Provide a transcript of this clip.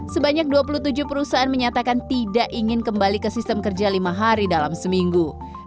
sebanyak dua puluh tujuh perusahaan menyatakan tidak ingin kembali ke sistem kerja lima hari dalam seminggu